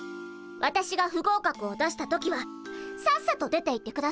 わたしが不合格を出した時はさっさと出ていってくださいね。